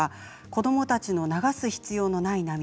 子どもたちの流す必要のない涙